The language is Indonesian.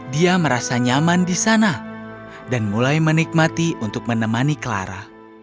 dia merasa nyaman di sana dan mulai menikmati untuk menemani clara